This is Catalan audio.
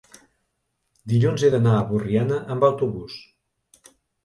Dilluns he d'anar a Borriana amb autobús.